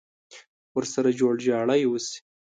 ورسره جوړ جاړی وشي.